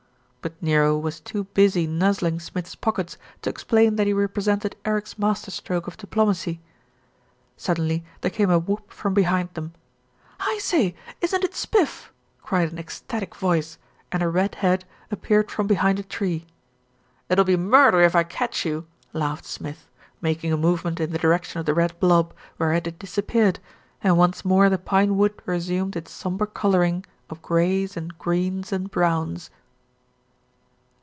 but Nero was too busy nuzzling Smith's pockets to explain that he represented Eric's master stroke of diplomacy. Suddenly there came a whoop from behind them. "I say, isn't it spif ?" cried an ecstatic voice, and a red head appeared from behind a tree. "It'll be murder if I catch you," laughed Smith, making a movement in the direction of the red blob, whereat it disappeared, and once more the pinewood resumed its sombre colouring of greys and greens and browns.